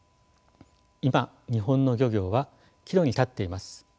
今日本の漁業は岐路に立っています。